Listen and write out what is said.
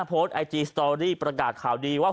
โพสต์ไอจีสตอรี่ประกาศข่าวดีว่า